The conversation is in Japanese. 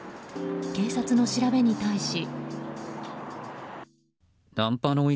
警察の調べに対し。